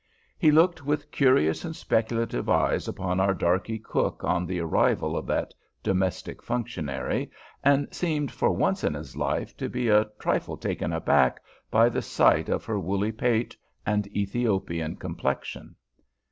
He looked with curious and speculative eyes upon our darky cook on the arrival of that domestic functionary, and seemed for once in his life to be a trifle taken aback by the sight of her woolly pate and Ethiopian complexion.